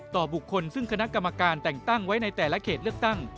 บุคคลซึ่งคณะกรรมการแต่งตั้งไว้ในแต่ละเขตเลือกตั้ง